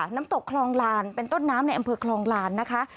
น้ำตกคลองลานเป็นต้นน้ำในอำเภอคลองลานนะคะ